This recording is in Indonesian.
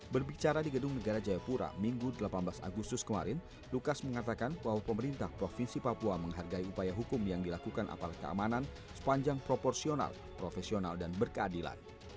berbicara di gedung negara jayapura minggu delapan belas agustus kemarin lukas mengatakan bahwa pemerintah provinsi papua menghargai upaya hukum yang dilakukan aparat keamanan sepanjang proporsional profesional dan berkeadilan